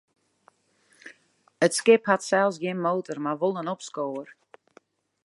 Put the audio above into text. Dat skip hat sels gjin motor, mar wol in opskower.